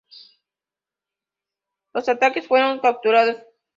Los atacantes fueron capturados.